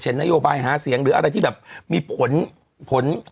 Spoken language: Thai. นโยบายหาเสียงหรืออะไรที่แบบมีผลผล